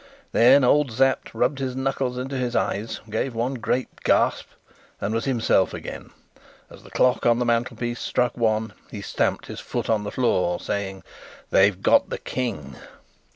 Then old Sapt rubbed his knuckles into his eyes, gave one great gasp, and was himself again. As the clock on the mantelpiece struck one he stamped his foot on the floor, saying: "They've got the King!"